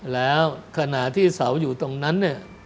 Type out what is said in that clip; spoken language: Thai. แล้วขณะที่เสาอยู่ตรงนั้น